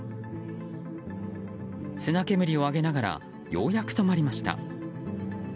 砂煙を上げながらようやく止まりました。